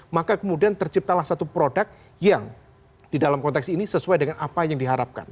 maka kemudian terciptalah satu produk yang di dalam konteks ini sesuai dengan apa yang diharapkan